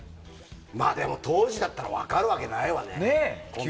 でも、当時だったら分かるわけないよね。